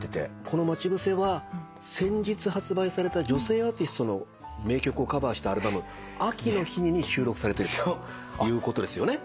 この『まちぶせ』は先日発売された女性アーティストの名曲をカバーしたアルバム『秋の日に』に収録されているということですよね？